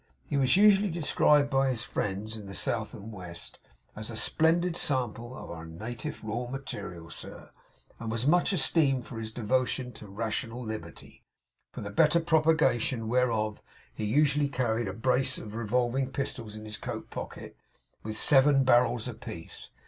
He was usually described by his friends, in the South and West, as 'a splendid sample of our na tive raw material, sir,' and was much esteemed for his devotion to rational Liberty; for the better propagation whereof he usually carried a brace of revolving pistols in his coat pocket, with seven barrels a piece.